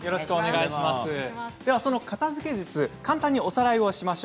片づけ術簡単におさらいします。